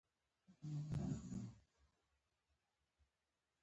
د دې کار لپاره ودانیزو ستنو کارونو ته سوق شوي وای